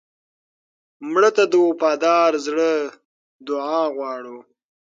مړه ته د وفادار زړه دعا غواړو